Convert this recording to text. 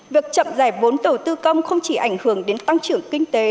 việc chậm giải vốn đầu tư công không chỉ ảnh hưởng đến tăng trưởng kinh tế